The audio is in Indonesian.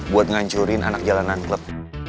buat ngancurin anak jalanan klub